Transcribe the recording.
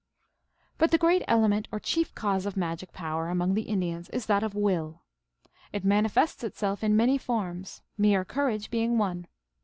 But the great element or chief cause of magic power among the Indians is that of Will. It mani fests itself in many forms, mere courage being one.